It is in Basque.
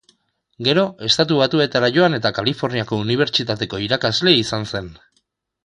Gero, Estatu Batuetara joan eta Kaliforniako Unibertsitateko irakasle izan zen.